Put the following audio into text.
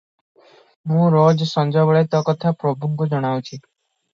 ମୁଁ ରୋଜ ସଞ୍ଜବେଳେ ତୋ କଥା ପ୍ରଭୁଙ୍କୁ ଜଣାଉଛି ।